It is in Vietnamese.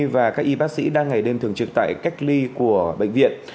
và các y bác sĩ đang ngày đêm thường trực tại cách ly của bệnh viện